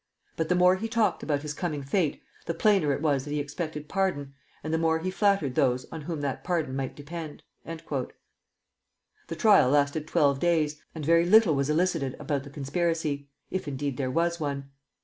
But the more he talked about his coming fate, the plainer it was that he expected pardon, and the more he flattered those on whom that pardon might depend." The trial lasted twelve days, and very little was elicited about the conspiracy, if indeed there was one.